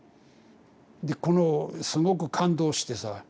でこのすごく感動してさ。